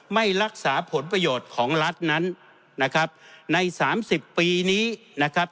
ไม่รักษาผลประโยชน์ของรัฐนั้นนะครับในสามสิบปีนี้นะครับ